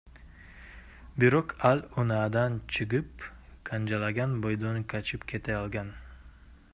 Бирок ал унаадан чыгып, канжалаган бойдон качып кете алган.